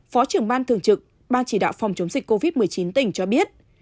phó trưởng ban thường trực ban chỉ đạo phòng chống dịch covid một mươi chín tỉnh cho biết